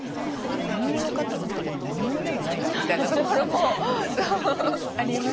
何者かと思ったけど何者でもないなみたいなところもありますし。